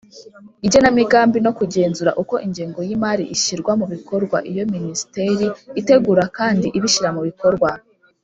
igenamigambi no kugenzura uko ingengo y imari ishyirwa mu bikorwa Iyo Minisiteri itegura kandi ibishyira mubikorwa